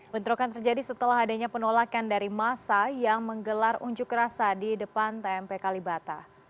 bentrokan terjadi setelah adanya penolakan dari masa yang menggelar unjuk rasa di depan tmp kalibata